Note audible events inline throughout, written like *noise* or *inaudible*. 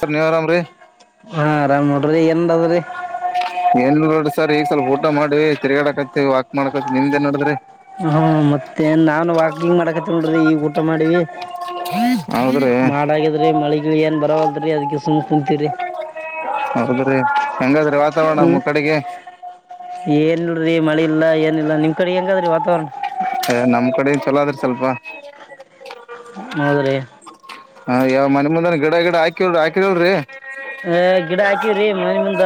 sir ನೀವ್ ಆರಾಮ್ರಿ ಹಾ ಆರಾಮ್ ನೋಡ್ರಿ ಏನ್ ಅದ್ರಿ *inaudible* ಏನ್ ನೋಡ ಸರ್ ಈಗ ಸ ಸ್ಲ್ ಊಟ ಮಾಡ್ವಿ ತಿರ್ಗಾಡಾಕತ್ತತಿ ವಾಕ್ ಮಾಡಾಕತಿ ನಿಮ್ದ ಏನ್ ನಡ್ರಿ *inaudible* ಹ್ಮ ಮತ್ತೆ ನಾು ವಾಕಿಂಗ್ ಮಾಡಕತ್ತ ನೋಡ್ರಿ ಈ ಊಟ ಮಾಡೀಿವಿ ಹೌದ್ರಿ ಮಾಡಗಿದ್ರಿ ಮಳಿಗಿಳ ಏನ್ ಬರವಲ್್ರೀ ಅದ್ಕ್ಕೆ ಸುಮ್ ಕುಂತರಿ *inaudible* ಹೆಂಗಾದ್ರೆ ವಾತಾವರಣಮ್ಮ ಕಡೆಗೆ *inaudible* ಏನಲ್ರರಿ ಮಳಿ ಇಲ್ಲ ಏನಿಲ್ಲ ನಿಮ್ ಕಡೆ ಹೆಂಗಾದ್ರಿ ವಾತಾವರಣ *inaudible* ನಮ್ ಕಡೆ ಚಲೋ ಆದ್ರೆ ಸ್ವಲ್ಪ *inaudible* ಹೌದ್ರೀ ಹಾ ಯಾವ ಮನೆ ಮುಂದ ಗಿಡ ಗಿಡ ಹಾಕಿಲ್್ರಿ ಹಾಕಿ ಹೇಳಲ್ಿ *unintelligible* ಹ ಗಿಡ ಹಾಕಿವ್ರೀ ಮನೆ ಮುಂದ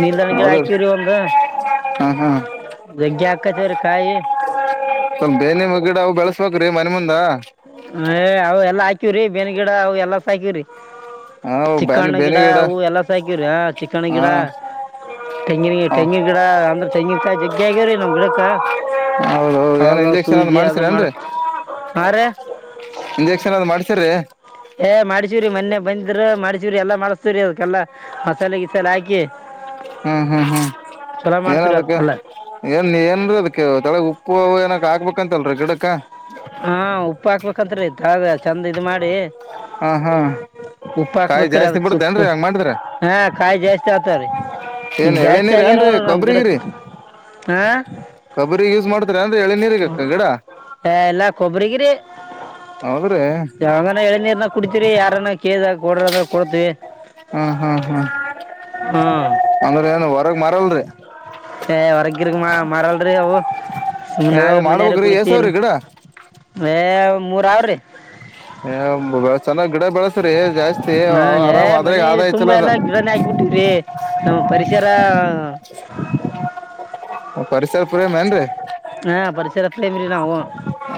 ನೀಲ್ದಾಣ ಗಿಡ ಹೌದ್ರಿ ಹಾಕವರಿೀ ಒಂದು ಹಾ ಹಾ ಬೆಗ್ಗ ಹಾಕ್ *inaudible* ಕಜರ್ಕಾಯಿ *inaudible* ಸ್ವಲ್ಪ ಬೇನಿಮ್ಮ ಗಿಡ ಅವವು ಬೆಳಸ್ಬೇಕ್ರೀ ಮನ ಮುಂದ *inaudible* ್ ಅವ ಎಲ್ಲ ಹಾಕಿವವ್ರೀ ಬೇನ್ ಗಿಡವು ಎಲ್ಲಸ ಹಾಕಿವವ್ರಿ ಹ *inaudible* ಬೇನೆ ಚಿಕ್ಕಣ್ಣ ಬೇನೆ ಗಿಡ ಅವು ಎಲ್ಲ ಸ ಹಕವ್ರಿ ಚಿಕ್ಕಣ್ಣ ಹಾ ಗಿಡ ತೆಂಗಿನ ತೆಂಗಿನ ಗಿಡ ಅಂದ್ರೆ ತೆಂಗಿಿನಕಾಯಿ ಜಗ್ಗಿ ಆಗ್ಯವ್ರೀ ನಮ್ ಗಿಡಕ್ಕ ಹೌದೌದು ಏನೋ ಇಂಜೆಕ್ಷನ್ ಎ ಮಾಡ್ಸರಏನ್ರಿ ಮಾಡಸ್ ಹಾ ರ ಇಂಜೆಕ್ಷನ್ ಅದ್ ಮಾಡ್ಸರ್ರಿ ಏ ಮಾಡಿಸೀವ್ರರಿ ಮೊನ್ನೆ ಬಂದ್ರ ಮಾಡಿಸೀವ್ರರಿ ಎಲ್ಲಾ ಮಾಡಸ್ತೇವ್ರೀ ಅದ್ಕಲ್ಲ ಮಸಾಲೆ ಗಿಸಾಲ ಹಾಕಿ ಹ್ಮ್ ಹ್ಮ್ ಹ್ಮ್ ಚಲೋ ಏನ್ ಮಾಡ್ತವ್ರಿ ಅದಕ್ಕೆ ಅದ್ಕೆಲ್ಲ ಏನ್ ಏನ್ೀ ಅದಕ್ಕೆ ತಳಗ್ ಉಪ್ಪು ಏನಕ್ ಹಾಕ್ಬೇಕಂತಲ್ರರಿ ಗಿಡಕ್ ಹಾ ಉಪ್ಪು ಹಾಕ್ಬೇಕತ್ರಿ ತಳ ಚಂದ ಇದ್ ಮಾಡಿ ಹಾ ಹಾ ಉಪ್ಪಾಕ್ ಕಾಯಿ ಬೇಕರಾವ ಜಾಸ್ತಿ ಸುಕ್ತ ಬಿಡ್ತೇನ್ರಿ ಹಂಗ ಮಾಡಿದ್ರ ಹಾ ಕಾಯ ಜಸ್ ಏನ್ ಹೇಳಿನಿರ ಏನ್ರಿ ನೋಡ್ರಿ ನಮ್ ಗಿಡಕ್ ಕೊಬ್ರಿಗಿರಿ ಕೊಬ್ಬರಿ ಯೂಸ್ ಮಾಡ್ತಾರ ಏನ್ರಿ ಎಳೆನೀರಿಗೆ ಹ ಎಲ್ಲಾ ಕೊಬ್ಬರಿಗಿರಿ ಹೌದ್ರೆ ಎಳನೀರ್ನ ಕುಡಿತೀರಿ ಯಾರನ ಕೇಳ್ದಾಗ ಕೊಡ್ರಿ ಅಂದ್ರ ಕೊಡ್ತೀವಿ ಹ್ಮ ಹ್ಮ ಹ್ಮ್ ಹ್ಮ್ ಅಂದ್ರ ಏನ್ ಹೊರಗ್ ಮರಲ್ರಿ ಹೊರಗಿರ್ಗ್ ಮಾ ಮಾರಲ್ರರಿ ಅವು ಸುಮ್ಮ್ ಏ ನಾವೇ ಮನೆಯಾರ ಮಾಡ್ಬೇಕ್ರಿ ಕುಡತಿೀಲ್ ಏಸವ್ರಿ ಗಿಡ ಮೂರ ಅವ್ರೀ ಹ ಚೆನ್ನ ಗಿಡ ಬೆಳ ಜಾಸ್ತಿ ಹಾ ಏ ಮನ ಆದಾಯ ತುಂಬಾ ಚಲೋ ಅದ ಎಲ್ಲ ಗಿಡನಿ ಹಾಕ್ಬಿಟ್ಟವ್ರಿ ನಮ್ಮ ಪರಿಸರ ಪರಿಸರ ಪ್ರೇಮ್ ಏನ್ರೀ ಹಾ ಪರಿಸರಿಸರ ಹತ್ರೇಮ್ರರಿ ನಾವು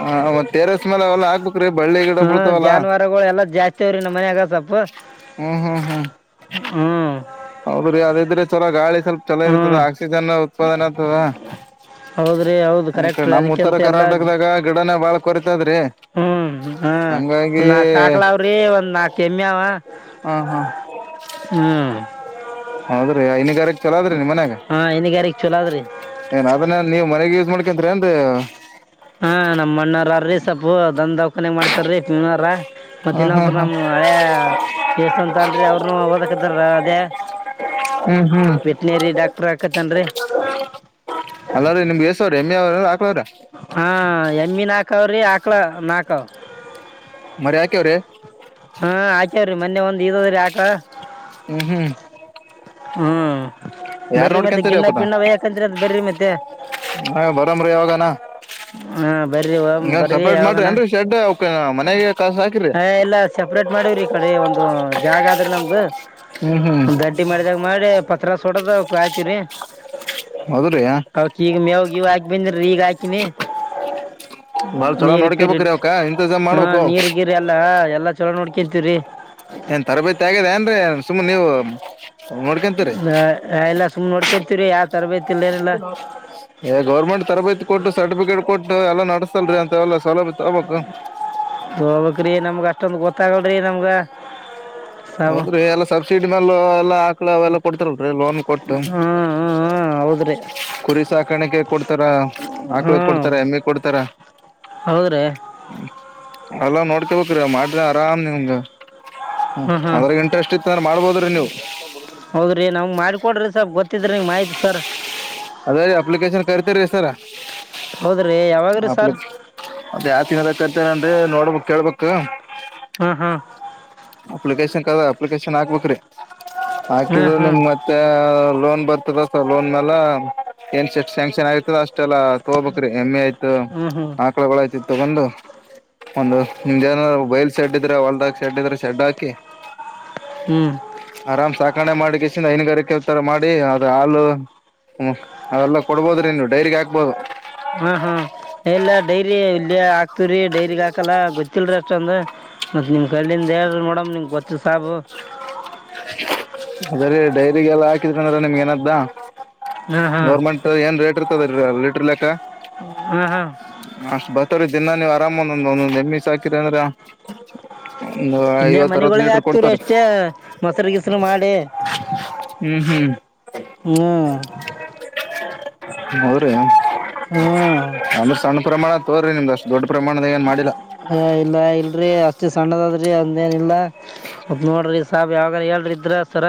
ಹ ಮ ಟೆರಸ್ ಮಲ ಎಲ್ಲಾ ಹಾ ಹ್ಮ ಜಾನುವಾರುಗಳು ಎಲ್ಲಾ ಜಾಸ್ತಿವ್ರಿ ನಮ್ಮ ಮನ್ಯಾಗ ಸ್ೊಪ್ಪ ಹ್ಮ್ ಹ್ಮ್ ಹ್ಮ್ ಹ್ಮ್ ಹೌದ್ರ ಯದ ಇದ್ರೆ ಚಲ ಗಾಳಿ ಸ್ವಲ್ಪ ಚಲೋ ಇರ್ತದ ಹ್ಮ್ ಆಕ್ಸಿಜನ್ ಉತ್ಪಾದನೆ ಆಗ್ತದ ಹೌದ್ರಿ ಹೌದು ಅ ಕರೆಕ್ಟ್ ನಮ್ಮ ಉತ್ತರ ಅದಕ್ಕಿಂತ ಎಲ್ಲಾ ಕರ್ನಾಟಕದಾಗ ಗಿಡನ ಬಾಳ್ ಹ್ಮ್ ಹ್ಮ ಒ ಹಂಗಾಗಿ ನಾಕ್ಾಕ್ಲಾವ್ರಿ ಒಂದ್ ನಾಕ್ ಎಮ್ಮಿಾವ ಹ್ಮ್ ಹ್ಮ್ ಹ್ಮ್ ಹೌದ್ರೆ ಐನಗ ಚಲೋದ್ರೀ ನಿ ಮನ್ಯಾಗ ಹಾ ಹೈನುಗಾರಿಕೆ ಚಲೋ ಅದ್ರಿ ಏನ ನೀ ಮ ಯಸ್ ಮಾಡ್ ಯಾಕಂದ್ರ ಅಂದ್ರೆ ಹಾ ನಮ್ಮ ಅಣ್ಣೀ ಸೊಪು ದ್ ದಕನ್ ಮಾಡ್ತ ೀರ ಮತ್ ಹಾ ಹಾ ಇನ್ನೊಬ್ಬ ಹಾ ನಮ್ ಹಳೆ ವ್ಯವಸ್ ಅಂತ ಅನ್ಿ ಅವ್ರರುನು ಓದಕತಾರ ಅದ ಹ ವೆಟನರಿ ಡಾಕ್ಟರ್ ಹಾಕತ್ತನ್ರಿ ಅಲ್ಲ್ರೀ ನಿಮ್ಗೆ ಯಸವ ರೀಮ ಹಾ ಎಮ್ಮಿ ನಾಕ ಅವ್ರಿ ಆಕ್ಲ ನಾಕಾವ ಮರಿ ಹಾಕ್ಯವ್ರಿ ಹಾ ಆಚಾರ್ರಿ ಮೊನ್ನೆ ಒಂದ್ ಇದದ್ರಿ ಆಾಕ ಹ್ಮ್ ಹ್ಮ್ ಹ್ಮ್ ಯಾರ್ ಬರಿ ಮತ್ತೆ ನೋಡ್ಕೊಂತರಿ ಗಿಂಡ ಅವಕುನ ಪಿಂಡ ಯಾಕಂದ್ರ ಅಂತ ಬರ್ರ ಮತ್ತೆ ಹ ಬರಮ್ರಿ ಯಾವಾಗನ ಹಾ ಬರ್ರಿ ಹಂಗ ಬರ್ರಿ ಸಪ್ರೇಟ್ ಮಾಡ್ರಿ ಯಾವಾಗನ ಏನ್ರಿ ಶೆಡ್ ಅವಕ್ ಮನೆಗೆ ಕಾಸ ಹಾಕಿರಿ ಹ ಎಲ್ಲ ಸೆಪ್ರೇಟ್ ಮಾಡವ್ರಿ ಈ ಕಡೆ ಒಂದು ಜಾಗ ಆದ್ರ ನಮ್ದು ಹ್ಮ್ ಹ್ಮ್ ದಡ್ಡಿ ಮಾಡಿದಾಗ ಮಾಡಿ ಪತ್ರ ಸುಡದ ಹಾಕವ್ರಿ ಹೌದ್ರಿ ಅವ ಚ ಈಗ ಮೇವಗೆ ಇವ ಹಾಕಿ ಬಿಂದ್ರ ಈಗ ಆಾಕ ಬಾಳ ಚಲೋ ನೀರುಪರು ನೋಡ್ಕೇಬೇಕ್ರಿ ಅವಕ ಇಂತಜಾಮ್ ಹಾ ಮಾಡ್ಬೇಕು ನೀರ್ ಗೀರ್ ಎಲ್ಲ ಎಲ್ಲಾ ಚಲೋ ನೋಡ್ಕಂತೀವ್ರಿ ಸುಮ್ಮ ನೀವು ನೋಡ್ಕಂತರಿೀ ಎಲ್ಲಾ ಸುಮ್ ನೋಡ್ಕೊಂತೀವ್ರಿ ಯಾವ ತರಬೇತಿ ಇಲ್ಲ ಏನಿಲ್ಲ ಗೌರ್ಮೆಂಟ್ ತರಬೇತಿ ಕೊಟ್ಟು ಸರ್ಟಿಫಿಕೇಟ್ ಕೊಟ್ಟು ಎಲ್ಲ ನಸ್ತಲ್ರರಿ ಅಂತ ಎಲ್ಲ ಸೌಲಭ ತಬಬೇಕಕ್ ಹೋಗಬಕ್ ರಿ ನಮ್ಗ ಅಷ್ಟೊಂದ ಗೊತ್ತಾಗಲ್ರೀ ನಮ್ಗ ಸಾಬ ಹೌದ್ರಿ ಎಲ್ಲಾ ಸಬ್ಸಿಡಿ ಮೇಲ್ಲ ಎಲ್ಲ ಮಕ್ಕಳ ಅವೆಲ್ಲ ಕೊಡ್ತಾರಲ್ರಿ ಲೋನ್ ಕೊಟ್ಟು ಹ್ಮ್ ಹ್ಮ್ ಹ್ಮ್ ಹೌದ್ರಿ ಕುರಿ ಸಾಕಾಣಿಕೆ ಕೊಡ್ತಾರ ಹಾಕ್ಲಿಕ್ ಹ್ಮ್ ಕೊಡ್ತಾರ ಹೆಮ್ಮಿ ಕೊಡ್ತಾರ ಹೌದ್ರಿ ಅಲ್ಲಾ ನೋಡ್ಕ ಬ್ರ ಮಾಡ್ರೆ ಆರಾಮ್ ನಿಮ್ದ ಹ್ಮ್ ಹ್ಮ್ ಅದ್ರೆ ಇಂಟ್ರೆಸ್ಟ್ ಇತ್ತ ಅಂದ್ರೆ ಮಾಡ್ಬೋದ್ರಿ ನೀವು ಹೌದ್ರಿ ನಾವ ಮಾಡ್ಕೊಡ್ರಿ ಸ್ವಲ್ ಗೊತ್ತಿದ್ರಿ ನಿಂಗ ಮಾ್ತಿ ಸರ್ ಅದೇ ರೀ ಅಪ್ಲಿಕೇಶನ್ ಕರಿತರೀ ಸರ ಹೌದ್ರಿ ಯಾವಾಗ್ರಿ ಲ ಸರ್ ಮದ ಹ ತಿ ೇನಂದ್ರೆ ನೋಡ್ಬಕ್ ಕೇಳ್ಬಕ್ ಹ್ಮ್ ಹ್ಮ್ ಅಪ್ಲಿಕೇಶನ್ ಅಪ್ಲಿಕೇಶನ್ ಹಾಕ್ಬೇಕ್ರಿ ಹ್ಮ್ ಹಾಕಿದ್ರ ನಿಮ್ ಹ್ಮ್ ಮತ್ತ ಲೋನ್ ಬ ದ ಲೋನ್ ಮಲ್ಲ ಏನ್ ಎಷ್ಟ ಶ್ಯಾಂಕ್ಷನ್ ಆಗತದ ಅಷ್ಟ ಇಷ್ಟ ಎಲ್ಲ ತಗೋಬೇಕ್ರಿ ಎಮ್ಮೆ ಆಯ್ತು ಹ್ಮ್ ಹ್ಮ್ ಆಕಳಗಳಯ್ತು ತಗೊಂಡು ಒಂದು ನಿಮ್ ಜನ ಬೈಲ್ ಸೆಡ್ ಇದ್ರೆ ಹೊಲ್ಡ್ ಹಾಿ ಶೆಡ್ ಇದ್ರೆ ಶೆಡ್ ಹಾಕಿ ಹ್ಮ್ ಆರಾಮ ಸಾ ಆ ಕಣೆ ಮಾಡಿ ಕಸ ಹೈನುಗಾರಿಕೆ ತರ ಮಾಡಿ ಅದ ಹಾಲು ಹ್ಮ ಅದೆಲ್ಲ ಕೊಡ್ಬೋದ್ರಿ ನೀವು ಡೈರಿಗೆ ಹಾಕ್ಬೋದು ಹಾ ಹಾ ಎಲ್ಲ ಡೈರಿ ಇಲ್ಲಿಯ ಆಾಕ್ತವ್ರರಿ ಡೈರಿಗ್ ಹಾಕಲ್ಲ ಗೊತ್ತಿಲ್ರ ಅಷ್ಟ ಇಷ್ಟ ಅಂದ್ರೆ ಮತ್ತ ನಿಮ್ ಕಲ್ಲಿಿಂದ ಯಾರು ಮಡಮ್ ನಿ್ ಗೊತ್ತ ಸಬ ಅದ್ರ ಡೈರಿಗೆಲ್ಲ ಹಾಕಿದ್ರ ಅಂದ್ರೆ ನಿಮ್ಗೆ ಏನದ್ದ ಹಾ ಹಾ ಗೋರ್ಮೆಂಟ್ ಏನ್ ರೇಟ್ ಇರ್ತದ ಲೀಟ್ರರ್ ಲೆಕ್ಕ ಹಾ ಹಾ ಅಷ್ಟ ಬ ಇೀ ದಿನಾ ನೀವು ಆರಾಮಂದ ಒಂದ ನಮ್ಮಿ ಹಾಕಿರಿ ಅಂದ್ರ ಒಂದ್ ಐವತ್ತ ಅವತ್ತು ಲೀಟರ್ ಕೊಟ್ಟ ಇರು ಅಷ್ಟೇ ಮೊಸರು ಗಿಸರು ಮಾಡಿ ಹ್ಮ್ ಹ ಹ್ರರಿ ಆಮೇರ ಸಣ್ಣ ಪ್ರಮಾಣ ತೋರಿ ನಿಮ್ದ ಅಷ್ಟು ದೊಡ್ಡ ಪ್ರಮಾಣದ ಏನ್ ಮಾಡಿಲ್ಲ ಹ ಇಲ್ಲ ಇಲ್ರಿ ಅಷ್ಟು ಸಣ್ಣದದ್ರಿ ಅಂದೇನಿಲ್ಲ ನೋಡ್ರಿ ಸಾಬ್ ಯಾವಾಗಾರ ಹೇಳ್ರಿ ಇದ್ರ ಸರ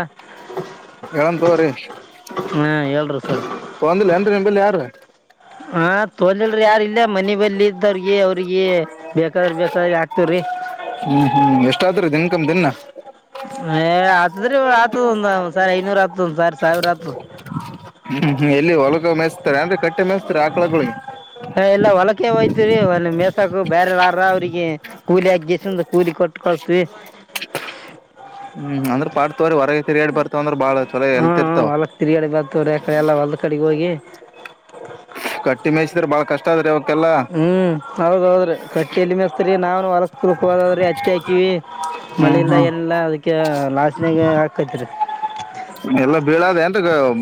ಎ ತೋ್ರಿ ಹಾ ಹೇಳ್ರಿ ಸರ್ ತಗಂದಿಲ್ಲ ಏನ್ರಿ ನಿಂಬಲ್ಲಿ ಯಾರ ಹ ತೋಲಲ್ರಿ ಯಾರ ಇಲ್ಲ ಮನ ಬಲ್ಲಿ ಇದ್ದವ್ರಗಿ ಅವ್ರಿಗೆಿ ಬೇಕಾದ್ರ ಬೇಕ ಹ್ಮ್ ಹ್ಮ್ ಎಷ್ಟಾದರುೂ ದನ್ಕಮ ದನ್ನ ಆತದ್ರೀ ಆತ ಹ ಹ್ಮ್ ಹ್ಮ್ ಎಲ್ಲಿ ಒ ಹೊಲಗ ಮೆಸ್ತಾರೆ ಅಂದ್ರೆ ಕಟ್ಟ ಮೆಸ್ತಾರೆ ಆಕಳಗಳಳಿಗೆ ಹ ಎಲ್ಲ ಹೊಲಕೆ ಹೋಗಯ್ತರಿ ಒಂದ ಮೇಸಾಕ ಬೇರೆ ಅವ್ರಿಗೆ ಕೂಲಿ ಹಗ್ಗಸ ಕೂಲಿ ಕೊಟ್ಟಕತವಿ ಹ್ಮ್ ಅಂದ್ರೆ ಪಾರ್ ಹಾ ಇರ್ತಾವ ಹೊಲಕ್ ತಿರ್ಗಡೆ ಬರ್ತವ್ರಡೆ ಎಲ್ಲ ಹೊಲ್ದ ಕಡೆ ಹೋಗಿ ಹ ಕಟ್ಟಿ ಮೆಯಸಿದ್ರೆ ಬಾಳ ಕಷ್ಟ ಆದ್ರ ಇವಾಗ ಹ್ಮ್ ಹೌದ ಹೌದ್ರಿ ಕಟ್ಟಿ ಇಲ್ಲಿ ಮೆಸ್ತರಿ ನಾವ ಹೊಲಸಪೂರ್ಕ ಹೋದಾದ್ರಿ ಹತ್ತಿ ಹಾಕಿವವಿ ಮಳೆ ಹ್ಮ್ ಇಲ್ಲ ಹ್ಮ್ ಏನಿಲ್ಲ ಅದಕ್ಕೆ ಲಾಶನ್ಾಗ ಹಾಕತ್ರಿ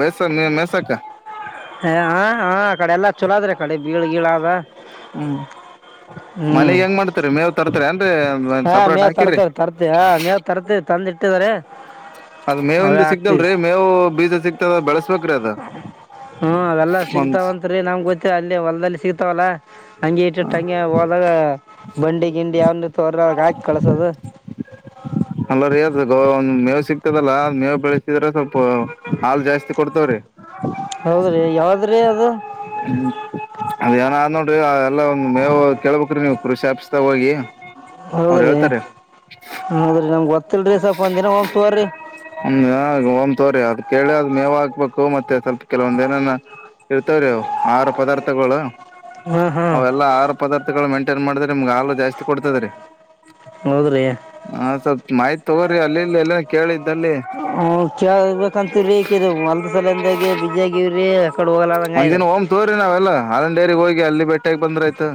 ಮೇಸ ಮೆಸಕ ಹ ಹ ಹ ಆ ಕಡೆ ಎಲ್ಲಾ ಚಲೋದ್ರೆ ಆ ಕಡೆ ಬೀಳ ಗೀಳಾದ ಹ್ಮ್ ಮನೆಗ್ ಹೆಂಗ್ ಮಾಡ್ತಾರೆ ಮೇವ್ ತರ್ತ ಏನ್ರಿ ಒ ಹಾ ಸಪ್ರೇಟ್ ಮೇವ್ ಹಾಕಿರಿ ತರ್ತೇವ್ರಿ ತರ್ತೇವಿ ಹಾ ಮೇವ್ ತರ್ತೇವಿ ತಂದಿಟ್ಟಿದಾರೆ ಅದ ಮೇವಿಿಂದ ಅವೇ ಸಿಗ್ತಲ್ರಿ ಮೇವು ಬೀಜ ಸಿಗ್ತದ ಬೆಳಸ ಹ್ಮ ಅವೆಲ್ಲಾ ಒಂದ ಸಿಗ್ತಾವತ್ರಿ ನಮ್ ಗೊತ್ತ ಅಲ್ಲಿ ಹೊಲ್ದಲ್ಲಿ ಸಿಗ್ತಾವಲ್ಲಾ ಹಂಗಿ ಇಟ್ಟಿಟ್ಟ ಹಂಗೆ ಹೋದಾಗ ಬಂಡಿ ಗಿಂಡಿ ಯಾವ ತೋರ್ರ ಹಾಕಿ ಕಳಸೋದು *inaudible* ಅಲ್ಲಾರಿ ಮೇವು ಸಿಗ್ತದಲ್ಲ ಮೇವ್ ಬೆಳೆಸಿದ್ರ ಸ್ವಲ್ಪ ಹಾಲು ಜಾಸ್ತಿ ಕೊಡ್ತವ್ರೀ ಹೌದ್ರಿ ಯಾವ್ದ್ರಿ ಅದು ಅದೇ ನಾನು ಮೇವು ಕೇಳ್ಬೇಕ್ರಿ ನೀವು ಕೃಷಿ ಆಫೀಸ್ ದಾಗ ಹೋಗಿ ಹೌದ್ರಿ ಹೌದ್ರಿ ನಮ್ಗ್ ಗೊತ್ತಿಲ್ರಿ ಸ್ವಲ್ಪ ಒಂದಿನ ಹೋಗ್ ತೋರಿ ಹ ಒಂದ ತೋರಿ ಅದ ಕೇಳಿ ಅದ್ ಮೇವ್ ಹಾಕ್ಬೇಕು ಮತ್ತೆ ಸ್ವಲ್ಪ ಕೆಲವೊಂದ ಏನಾನ ಇರ್ತವ್ರಿವು ಆಹಾರ ಪದಾರ್ಥಗಳು ಹಾ ಹಾ ಅವೆಲ್ಲಾ ಆಹಾರ ಪದಾರ್ಥಗಳು ಮೇಂಟೈನ್ ಮಾಡಿದ್ರೆ ನಿಮ್ಗೆ ಹಾಲು ಜಾಸ್ತಿ ಕೊಡ್ತದೆರಿ ಹೌದ್ರಿ ಮಾಹಿತಿ ತಗೋರಿ ಅಲ್ಲಿಲ್ಲಿ ಎಲ್ಲ ಕೇಳಿದ್ದಲ್ಲಿ ಹ ಕೇಳಬೇಕಂತವ್ರಿ ಈಕಿದು ಹೊಲದ ಸಲಿಂದಾಗ ಬಿಜಿ ಆಗವ್ರಿ ಆಕಡೆ ಒಂದಿನ ಹೋಗಲಂಗದ್ರರಿ ತೋರಿ ನಾವೆಲ್ಲ ಹಾಲು ಡೈರಿ ಅಲ್ಲಿ ಭೇಟಿಯಾಗಿ ಬಂದ್ರೆ ಆಯ್ತು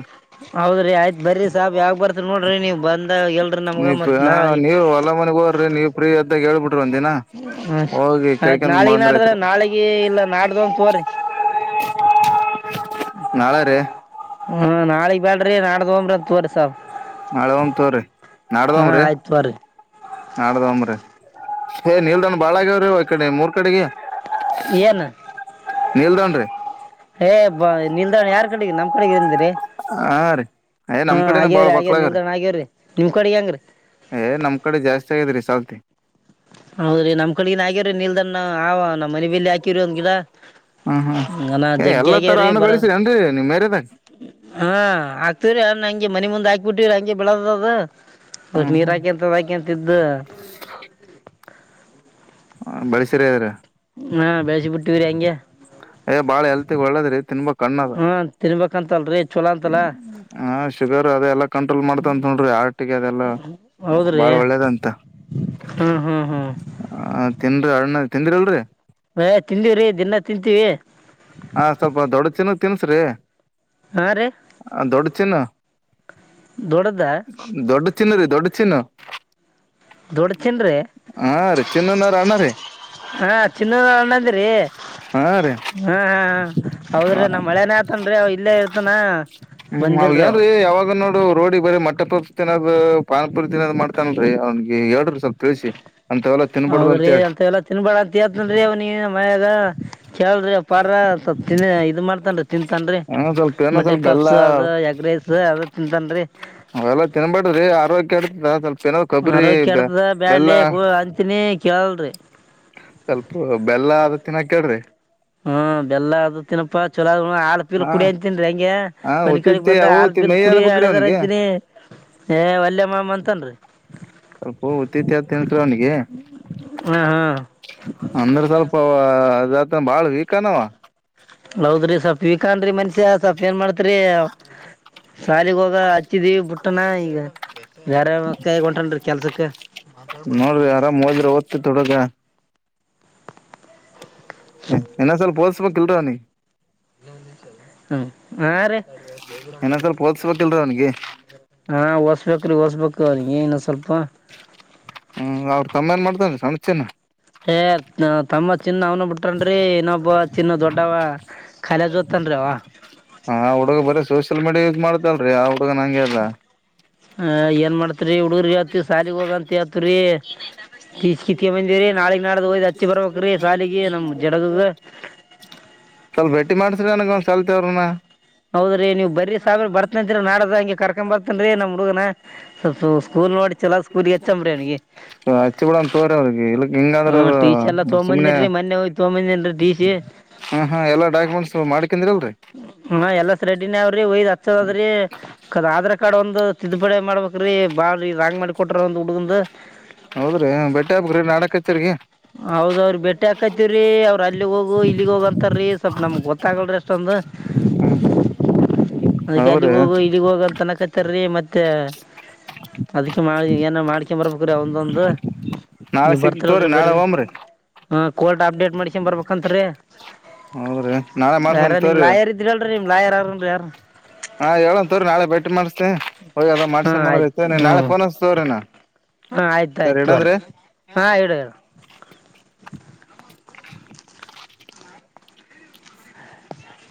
ಹೌದ್ರಿ ಆಯ್ತ್ ಬರಿ ಸಾಬ್ ಯಾವಾಗ ಬರ್ತ್ರಿ ನೋಡ್ರಿ ನೀವ್ ಬಂದ ಎಲ್ರರಿ ನಮ್ಗ ಮತ್ ನಾಳಿ ನೀವು ಪ್ರೀ ಇದ್ದಗಾ ಹೇಳ್ಬಿಟ್ಟಿ ಹ ಆಯ್ತ್ ನಾಳಗ ನಾಡಿದ್ರ ಬಂದ್ರೈತ್ರಿ ನಾಳಿಗಿ ಇಲ್ಲ ನಾಡಿದ್ದು ತಕೋರಿ ಹ ನಾಳೆ ರೀ ಹ್ಮ ನಾಳಗ್ ಬ್ಯಾಡ್ರಿ ನಾಡ್ದಿದು ಹೋಗೋಣ ತಕೋರಿ ಸಬ್ ನಾಳೆ ಹೋಗೋಣ ತಗೋರಿ ನಾಡಿದು ಹೋಗನ್ರಿ ಆಯ್ತ್ ತೋರಿ ನಾಡಿದು ಹೋಗನ್ರಿ ಏ ನೀಲ್ಡನ್ ಬಾಳ ಆಗ್ಯವ್ರೀ ಒ ಕಡೆ ಮೂರ್ ಕಡೆಗೆ ಏನು ನಿಡೌನ್ರಿ ಹೇ ನಿಲ್ದಾಣಿ ಯಾರ್ ಕಡೆಗೆ ನಮ್ ಕಡೆ ಅಂದ್ರಿ ಹಾರಿ ಏ ನಮ್ಮ್ ಕಡೆನ ಬಾಳ್ ಆಗ್ಯವ್ರಿ ಮಕ್ಳಗ್ರೀ ನಿಲ್ದಾಣ ಆಗ್ಯವ್ರಿ ನಿಮ್ ಕಡೆಗೆ ಹೆಂಗ್ರಿ ಏ ನಮ್ ಕಡೆ ಜಾಸ್ತಿ ಆಗಿದ್ರಿ ಸಲ್ತಿ ಹೌದ್ರಿ ನಮ್ ಕಡೆಗನ್ ಆಗ್ಯವ್ರೀ ನಿಲ್ದನ್ ಆವ ನಮ್ಮ್ ಮನೆ ಬೇಲಿ ಹಾಕಿರಿ ಒಂದ್ ಗಿಡ ಹ್ಮ್ ಹ್ಮ್ ನಾ ಏ ಜಗ್ಗಿ ಎಲ್ಲಾ ತರ ಆಗ್ಯಾವ್ರಿ ಹಣ್ಣು ಬರ ಬೆಳಸ್ರರಿ ನ್ರಿ ನಿಮ್ ಏರಿಯಾದಾಗ ಹಾ ಹಾಕ್ತಿವ್ರಿ ಅ ಹಂಗೆ ಮನಿ ಮುಂದೆ ಹಾಕ್ ಬಿಟ್ಟಿವವ್ರಿ ಹಂಗೆ ಬೆಳದ ಅದು ಅದಿಕ್ಕೆ ಹ್ಮ್ ನಿರಿ ಹ್ಮ್ ಹಾಗಿ ಇಂತವು ಹಾಕಿ ಅಂತಿದ್ದು ಬೆಳೆಸಿರಿ ಆಗದ್ರೆ ಹಾ ಬೆಳ್ಸಿ ಬಿಟ್ಟಿವ್ರಿ ಹಂಗೆ ಏ ಬಾಳ ಹೆಲ್ತಿಗ್ ಒಳ್ಳೇದ್ರಿ ತಿನ್ಬೇಕ್ ಹಣ್ಣ್ ಅದ ಹಾ ತಿನ್ಬೇಕಂತಲ್ರಿ ಚೋಲ ಅಂತಲ್ಲ ಹ ಶುಗರ್ ಅದೆಲ್ಲಾ ಕಂಟ್ರೋಲ್ ಮಾಡ್ತಂತ ನೋಡ್ರಿ ಹಾರ್ಟಿಗೆ ಅದೆಲ್ಲಾ ಬಾಳ್ ಒಳ್ಳೇದಂತ ಹಾ ಹಾ ಹಾ ಆ ತಿನ್ರಿ ಅಣ್ಣ ತಿಂದ್ರಿ ಅಲ್ರರಿ ತಿಂದೀವ್ರೀ ದಿನಾ ತಿಂತೀವಿ ಹ ಸ್ವಲ್ಪ ದೊಡ್ಡ ಚಿನ್ನಗ್ ತಿನ್ಸ್ರಿ ಹಾ ರೀ ದೊಡ್ಡ ತಿನ್ನು ದೊಡ್ಡದ ದೊಡ್ಡ ಚಿನ್ನ ರೀ ದೊಡ್ಡ ಚಿನ್ನ ದೊಡ್ಡ ಚಿನ್ರಿ ಹಾಚಿನ್ನರಾರನ್ನರಿ ಹಾ ಚಿನ್ನದ ಅಣ್ಣಂದ್ರಿ ಹಾ ರೀ ಹಾ ಹಾ ಹೌದ್ರಿ ನಮ್ ಮಳೇನೇ ಆತನ್ರೀ ಅವ ಇಲ್ಲೇ ಇರ್ತನ ಹ್ಮ್ ಅವ ಏನ್ ರೀ ಯಾವಾಗ ನೋಡು ರೋಡಿಗೆ ಬರೀ ಮ ಪುಫ್ ತಿನ್ನೋದು ಪಾನಿಪುರಿ ತಿನ್ನೋದು ಮಾಡ್ತನ್ರಿ ಅವ್ನಿಗೆ ಹೇಳಿರಿ ಸಸ್ವಲ್ಪ ಹೌದ್ರಿ ಅಂತ ಎಲ್ಲಾ ತಿನ್ಬೇಳ ಅಂತ ಹೇತನ್ರಿ ಅವ ನೀ ಮನೆಯಾಗ ಕೇಳ್ರಿ ಉಪಾರ ಸ್ಲ್ ಇದು ಮಾಡ್ತನರಿ ತಿಂತನ್ರಿ ಹ ಸ್ವಲ್ಪ ಏನೋ ಮಟೆ ಸ್ವಲ್ಪ ಬೆಲ್ಲ ಪಾಪ್ಸ್ ಅದು ಎಗ್ ರೈಸ್ ಅದು ದಂದ್ರೆ ಅವೆಲ್ಲಾ ತಿನ್ಬೇಡ್ರಿ ಆರೋಗ್ಯ ಇರ್ತದ ಅರೋಗ ಕೆಡ್ತದ ಬ್ಯಾಡ್ ಅಂತಿನಿ ಕೇಳಲ್ರಿ ಸ್ವಲ್ಪ ಬೆಲ್ಲ ಆದತ್ತಿನ ಕಡ್ರಿ ಹ್ಮ ಬೆಲ್ಲ ಅದು ತಿನ್ನಪಾ ಚೊಲೋ ಆಲು ಪೀಲ್ ಹಾ ಕುಡಿಯ ಅಂತ ತಿನ್ರಿ ಹೆಂಗೆ ಹಾ ಮನ ಕಡೆಗ್ ಉತ್ತತ್ತಿ ಬಂದ ಅವು ಆ ಸ್ಲ್ಪಲ್ ಮೈ ಕುಡ ಅನ್ಬೇಕ್ರಿ ಅಳೆದಾರ ಅವ್ನಿಗೆ ಅಂತೀನಿ ಏ ವಲ್ಲಯ ಮಾಮ ಅಂತನ್ರಿ ಸ್ವಲ್ಪ ಉತ್ತ ಇತ್ಯಾದ ತಿನ್ಸರು ಅವನಿಗೆ ಹಾ ಹಾ ಅಂದ್ರ ಸ್ವಲ್ಪ ಅದತ ಬಾಳ್ ವೀಕ್ನವ ಹೌದ್ರಿ ಸ್ವಲ್ಪ್ ವಿಕನ್ಮನ್ಷ್ಯ ಸ್ವಪ್ಪ ಏನ್ ಮಾಡಾತ್ರಿ ಸಾಲಿಗೆ ಹೋಗ ಹಚ್ಚಿದೀವಿ ಪುಟ್ಟನಾ ಈಗ ಬೇರೆ ಕೈಗ ಉಂಟನ್ರಿ ಕೆಲ್ಸಕ್ಕೆ ನೋಡ್ರಿ ಆರಾಮ್ ಹೋದ್ರಿಓದ್ ತೊಡಗ ಹ ಇನ್ನಸಲ್ ಲ್ಸ್ಬೇಕಕ್ ಇಲ್ರ ನೀ ಹ್ಮ್ ಹಾ ರೀ ಏನಸರ್ ಪೋಲ್ಸ್ಬಟ್ಟಲ್ರ ಅವನಗೆ ಹಾ ಓಸ್ಬೇಕ್ರಿ ಹೊಸ್ಬೇಕು ಏನು ಸ್ವಲ್ಪ ಹ್ಮ್ ಅವ್ರ *unintelligible* ಏ ತಮ್ಮ ಚಿನ್ನ ಅವ್ನ ಬಿಟನ್ ಇನ್ನೊಬ್ಬ ಚಿನ್ನ ದೊಡ್ಡವ ಖಾಲ ಜೊತೆ ಅನ್ರೆವಾ ಹುಗಗ್ ಬರ ಸೋಷಿಯಲ್ ಮೀಡಿಯ ಯೂಸ್ ಮಾಡತಲ್ರರಿ ಹ ಏನ್ ಮಾಡಾತ್ರಿ ಹುಡುರ್ ಹತಿ ಶಾಲಿಗ್ ಹೋಗಂತ ಹೇತ್ರಿ ಕೀಚ್ ಕಿತ್ಕ ಬಂದಿರಿ ನಾಳಗ್ ನಾಡ್ದ ಹಯ್ದ್ ಹಚ್ಚಿ ಬರ್ಬಕ್ ಸಾಲಿಗೆ ನಮ್ ಜಡಗಗ ಹ ಸ್ವಲ್ಪ ಭೇ ಮಾಡಸ್ರಿ ಅನಗ ಒಂದ್ ಸಲ್ತವ್ರನ ಹೌದ್ರೀ ನೀವು ಬರೀ ಸಾಬನ್ ಬರ್ತನಂತೀರ ನಾಡದ ಹಂಗೆ ಕರ್ಕೊ್ ಬರ್ತನ್ ನಮ್ಮ್ ಹುಡುಗನ ಸ್ಕೂಲ್ ನೋಡಿ ಚಲ ಸ್ಕೂಲ್ ಎಚ್ಚಂಬ್ರಿ ಅವನಿಗೆ ಹಚ್ಚಿ ಬಿಳ ತೋರ ಅವ್ರಿಗೆ ಇಲ್ಲಕ್ ಹಿಂಗಂದ್ರ ಟಿ ಸಿ ಎಲ್ಲ ಸುಮ್ಮನೆ ತೊಗೊಂಬಂದಿನ್ರಿ ಮೊನ್ನೆ ಹೋಗಿ ತೊಗೊಂಬಂದೇನ್ರಿ ಟಿ ಸಿ ಹಾ ಹಾ ಎಲ್ಲಾ ಡಾಕ್ಯುಮೆಂಟ್ಸ್ ಮಾಡ್ಕಿಂದಿ ಅಲ್ರಿ ಹ್ಮ ಎಲ್ಲ ಸ ರೆಡಿನೇ ಅವ್ರಿ ಒಯ್ದ್ ಹಚ್ಚದದ್ರಿ ಕ ಆಧಾರ್ ಕಾರ್ಡ್ ಒಂದು ತಿದ್ದುಪಡಿ ಮಾಡ್ಬೇಕ್ರೀ ಬಾಳ ರಾಂಗ್ ಮಾಡಿ ಕೊಟ್ರ ಒ್ ಹುಡುಗಂದ ಹೌದ್ರಿ ಬ ಬೆಟ್ಟೆ ಹಾಬ್ರಿ ನಾಡಕ್ಚ್ಚಿ ಹೌದ ಅವ್ರಿ ಬೆಟ್ಟೆ ಹಾಕತಿವ್ರೀ ಅವ್ ಅಲ್ಲಿಗ್ ಹೋಗು ಇಲ್ಲಿಗ್ ಹೋಗ ಅಂತಾರ್ರೀ ಸ್ವಲ್ ನಮ್ಗ್ ಗೊತ್ತಾಗಲ್ರಿ ಅಷ್ಟೊಂದು ಹ್ಮ ಅದಕ್ಕೆ ಅಲ್ಲಿಗ್ ಹೋಗ ಇಲ್ಲಿಗ್ ಹೋಗ ಅಂತನ ಕತ್ತ ಇರೀ ಮತ್ತೆ ಅದಕ ಮಾಡ ಏನ ಮಾಡ್ಕೊ ಬರ್ಬೇಕ್ರೀ ಒಂದೊಂದು ನೀ ನಾಳೆ ಸಿಗ್ ತೋರಿ ಬರ್ತರಲ್ರರಿ ನಾಳೆ ಬರರಿ ಹೋಮ್ರಿ ಹ ಕೋರ್ಟ್ ಅಪ್ಡೇಟ್ ಮಾಡಸನ್ ಬರ್ಬೇಕಂತರಿ ಹೌದ್ರಿ ನಾಳೆ ಯಾರ ಮಾಡ್ಸನ್ ನಿಮ್ ತೋರಿ ಲಾಯರ್ ಇದ್ರಿ ಅಲ್ರಿ ನಿಮ್ ಲಾಯರ್ ಯಾರನ್ರಿ ಯಾರು ಹಾ ಹೇಳಂತವರಿ ನಾಳೆ ಭೇ ಮಾಡಿಸತತೆ ಹೋಗಿ ಎಲ್ಲ ಹಾಂ ಮಾಡ್ಸಬಂದ್ರ ಐತೆ ಆಯ್ತು ನೀನ್ ಹ್ಞೂ ನಾಳೆ ನ್ಸತವ್ರಿ ನ ಹಾಂ ಆಯ್ತು ಸರ್ ಆಯ್ತು ತಗೋರಿ ಎರಡಂದ್ರೆ ಹಾಂ ಇಡು ಇಡು *unintelligible*